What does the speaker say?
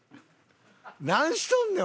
何しとんねん！